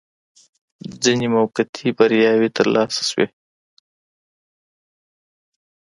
ځيني موقتي بریاوي ترلاسه سوې